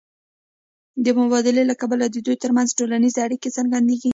د مبادلې له کبله د دوی ترمنځ ټولنیزې اړیکې څرګندېږي